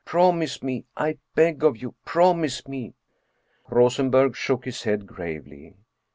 Promise me, I beg of you, promise me !" Rosenberg shook his head gravely.